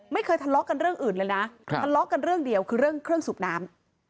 ไม่เคยทะเลาะกันเรื่องอื่นเลยนะทะเลาะกันเรื่องเดียวคือเรื่องเครื่องสูบน้ำ